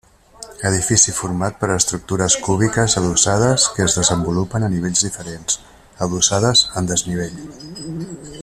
Edifici format per estructures cúbiques adossades que es desenvolupen a nivells diferents, adossades en desnivell.